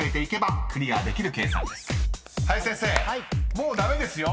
もう駄目ですよ］